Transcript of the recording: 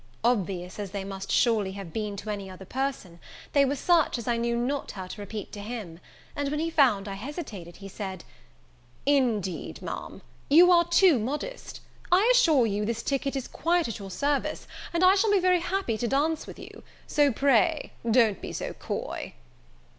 Obvious as they must surely have been to any other person, they were such as I knew not how to repeat to him; and, when he found I hesitated, he said, "Indeed, Ma'am, you are too modest; I assure you the ticket is quite at your service, and I shall be very happy to dance with you; so pray don't be so coy."